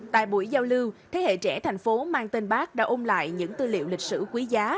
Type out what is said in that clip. tại buổi giao lưu thế hệ trẻ thành phố mang tên bác đã ôm lại những tư liệu lịch sử quý giá